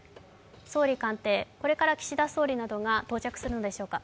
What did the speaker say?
総理官邸、これから岸田総理などが到着するのでしょうか。